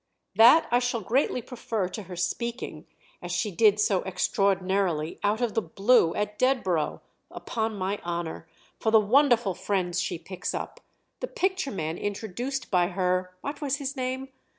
"That I shall greatly prefer to her speaking—as she did so extraordinarily, out of the blue, at Dedborough, upon my honour—for the wonderful friends she picks up: the picture man introduced by her (what was his name?)